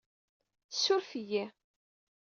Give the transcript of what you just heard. Suref-iyi...